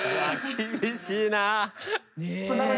厳しいな。